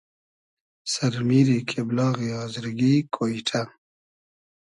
سئر میری کېبلاغی آزرگی کۉیݖۂ